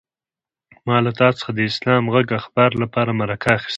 ما له تا څخه د اسلام غږ اخبار لپاره مرکه اخيسته.